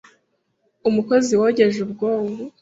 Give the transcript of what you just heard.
Umukozi wogeje ubwonko,